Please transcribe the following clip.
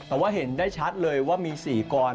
แต่ว่าเห็นได้ชัดเลยว่ามี๔กร